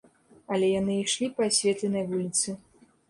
Але яны ішлі па асветленай вуліцы.